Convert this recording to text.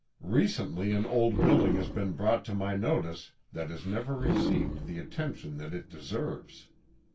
Recently an old building has been brought to my notice that has never received the attention that it deserves.